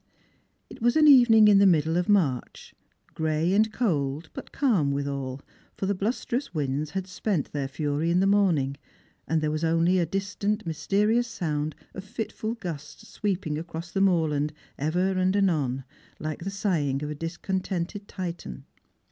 It was an evening in the middle of Mai'ch, — gray and cold, but calm witiial, for the blusterous winds had spent their fury in the morning, and there was only a distant mysterious Bound of fitful gusts sweeping across the moorland ever and anon, like the sighing of a discontented Titan.